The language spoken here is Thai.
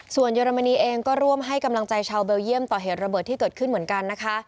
ส่วนเยอรมนีเองก็ร่วมให้กำลังใจชาวเบลเยี่ยมต่อเหตุระเบิดที่เกิดขึ้นเหมือนกันนะคะ